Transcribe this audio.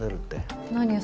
何よ？